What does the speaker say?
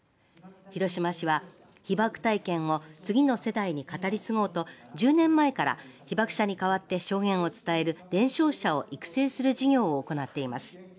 広島市は、被爆体験を次の世代に語り継ごうと１０年前から被爆者に代わって証言を伝える伝承者を育成する事業を行っています。